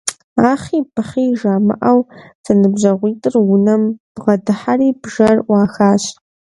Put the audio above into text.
Ахъи-быхъи жамыӀэу зэныбжьэгъуитӀыр унэм бгъэдыхьэри бжэр Ӏуахащ.